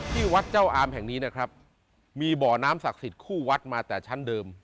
ที่วัดเจ้าอามแห่งนี้นะครับมีบ่อน้ำศักดิ์สิทธิ์คู่วัดมาแต่ชั้นเดิม